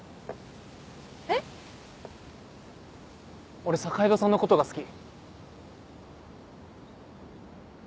俺坂井戸さんのことが好き。